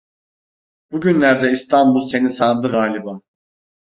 Bugünlerde İstanbul seni sardı galiba…